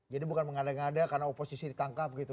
jadi bukan mengadai ngadai karena oposisi ditangkap gitu